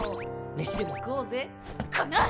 飯でも食おうぜこの！